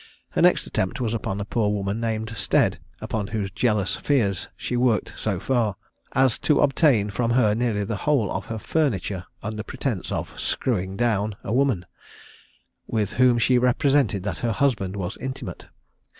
Her next attempt was upon a poor woman named Stead, upon whose jealous fears she worked so far, as to obtain from her nearly the whole of her furniture, under pretence of "screwing down," a woman, with whom she represented that her husband was intimate.